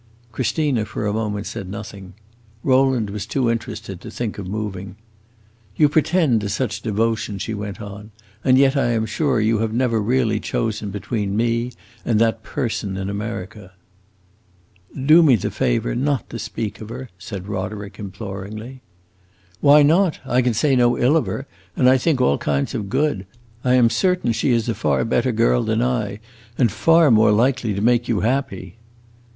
Christina for a moment said nothing. Rowland was too interested to think of moving. "You pretend to such devotion," she went on, "and yet I am sure you have never really chosen between me and that person in America." "Do me the favor not to speak of her," said Roderick, imploringly. "Why not? I say no ill of her, and I think all kinds of good. I am certain she is a far better girl than I, and far more likely to make you happy."